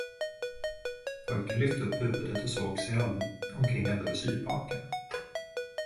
Pojken lyfte upp huvudet och såg sig omkring alldeles yrvaken.